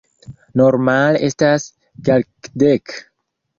Normale estas kelkdek.